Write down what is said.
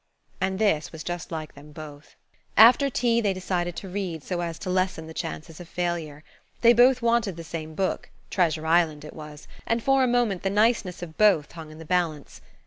And this was just like them both. After tea they decided to read, so as to lessen the chances of failure. They both wanted the same book–"Treasure Island" it was–and for a moment the niceness of both hung in the balance.